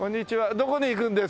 どこに行くんですか？